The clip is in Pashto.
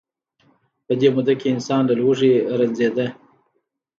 په دې موده کې انسان له لوږې رنځیده.